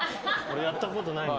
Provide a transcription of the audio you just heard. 俺やったことない。